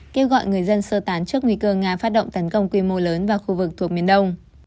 kêu gọi người dân sơ tán trước nguy cơ nga phát động tấn công quy mô lớn vào khu vực thuộc miền đông